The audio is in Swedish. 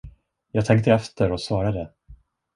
Jag tänkte efter och svarade.